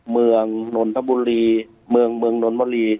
เมืองนนทบุรีเมืองเมืองนนบุรี